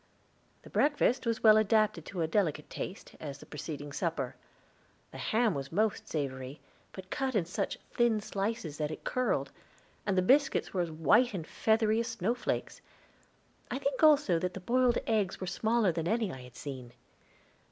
The breakfast was as well adapted to a delicate taste as the preceding supper. The ham was most savory, but cut in such thin slices that it curled; and the biscuits were as white and feathery as snowflakes. I think also that the boiled eggs were smaller than any I had seen.